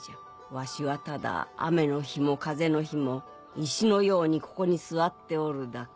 わしはただ雨の日も風の日も石のようにここに座っておるだけ。